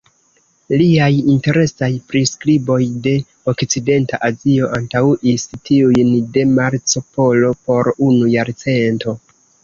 Liaj interesaj priskriboj de okcidenta Azio antaŭis tiujn de Marco Polo por unu jarcento.